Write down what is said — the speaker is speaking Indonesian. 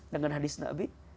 dengan hadis nabi